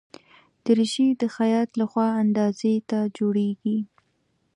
دریشي د خیاط له خوا اندازې ته جوړیږي.